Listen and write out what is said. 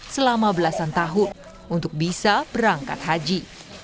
selama belasan tahun untuk bisa berangkat haji